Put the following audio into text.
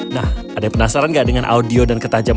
nah ada yang penasaran gak dengan audio dan ketajaman video ini